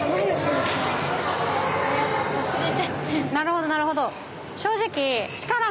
「なるほどなるほど」